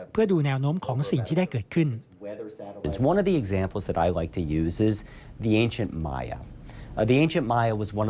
เพื่อดูแนวโน้มของสิ่งที่ได้เกิดขึ้น